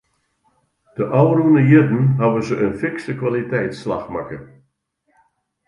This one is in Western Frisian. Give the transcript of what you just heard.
De ôfrûne jierren hawwe se in fikse kwaliteitsslach makke.